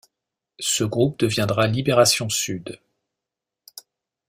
Ce groupe deviendra Libération-Sud.